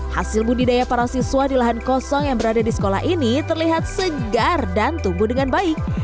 hasil budidaya para siswa di lahan kosong yang berada di sekolah ini terlihat segar dan tumbuh dengan baik